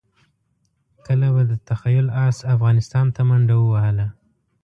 کله به د تخیل اس افغانستان ته منډه ووهله.